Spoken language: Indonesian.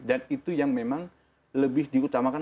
dan itu yang memang lebih diutamakan